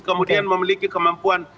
kemudian memiliki kemampuan